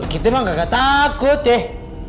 kita emang nggak takut deh